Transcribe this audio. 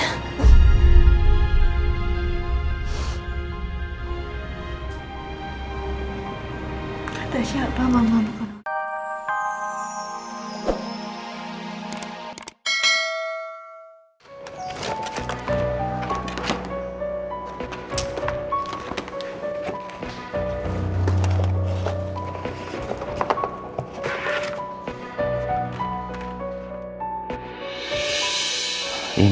ada siapa mama bukan